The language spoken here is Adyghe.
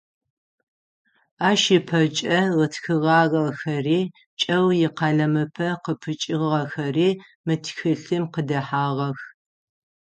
Ащ ыпэкӏэ ытхыгъагъэхэри, кӏэу икъэлэмыпэ къыпыкӏыгъэхэри мы тхылъым къыдэхьагъэх.